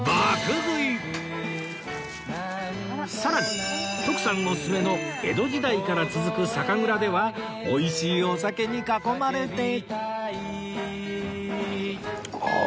さらに徳さんオススメの江戸時代から続く酒蔵では美味しいお酒に囲まれて